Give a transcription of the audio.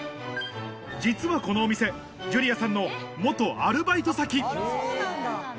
実はこのお店ジュリアさんの元アルバイト先